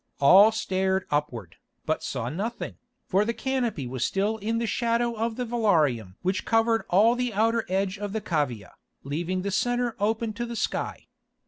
All stared upward, but saw nothing, for the canopy was still in the shadow of the velarium which covered all the outer edge of the cavea, leaving the centre open to the sky.